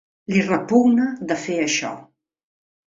Li repugna de fer això.